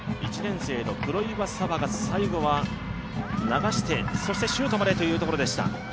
１年生の黒岩沙羽が最後は流してそしてシュートまでというところでした。